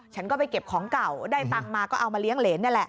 ฉันก็ไปเก็บของเก่าได้ตังค์มาก็เอามาเลี้ยงเหรนนี่แหละ